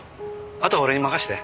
あとは俺に任せて。